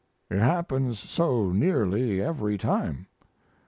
It happens so nearly every time.